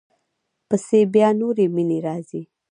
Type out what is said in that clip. پسې بیا نورې مینې راځي.